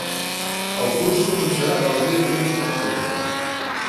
El curs començarà el dia tretze d’octubre.